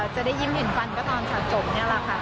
จะได้ยิ้มเห็นฟันก็ตอนสะจบนี่แหละค่ะ